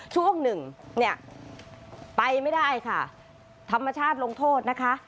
ช่วงหนึ่งเนี่ยไปไม่ได้ค่ะธรรมชาติลงโทษนะคะ